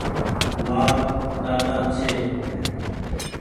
مآر ۮاۮا ڇي۔